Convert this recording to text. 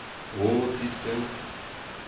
O, trist eo.